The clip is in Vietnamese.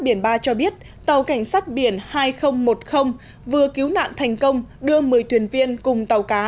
bộ tư lệnh vùng cảnh sát biển ba cho biết tàu cảnh sát biển hai nghìn một mươi vừa cứu nạn thành công đưa một mươi thuyền viên cùng tàu cá